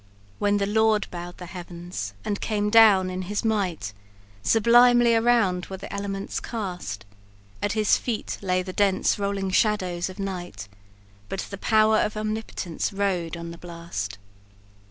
"When the Lord bowed the heavens, and came down in his might, Sublimely around were the elements cast; At his feet lay the dense rolling shadows of night, But the power of Omnipotence rode on the blast.